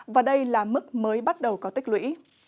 và đây là mức mới bắt đầu có tích lũy